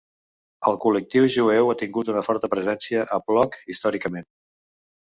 El col·lectiu jueu ha tingut una forta presència a Płock històricament.